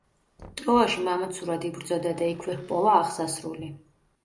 ტროაში მამაცურად იბრძოდა და იქვე ჰპოვა აღსასრული.